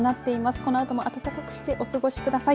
このあとも温かくしてお過ごしください。